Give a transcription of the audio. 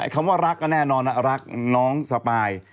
คำว่ารักก็แน่นอนรักน้องสปาย